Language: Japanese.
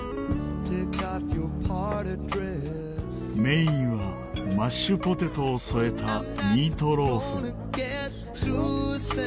メインはマッシュポテトを添えたミートローフ。